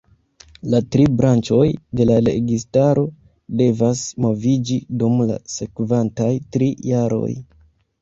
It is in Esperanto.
La tri branĉoj de la registaro devas moviĝi dum la sekvantaj tri jaroj.